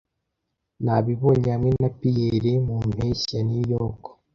Nabibonye hamwe na Pierre mu mpeshyi ya; New York